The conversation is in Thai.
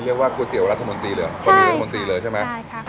เรียกว่าก๋วยเตี๋ยวรัฐมนตรีเลยเหรอพวกมีรัฐมนตรีเลยใช่ไหม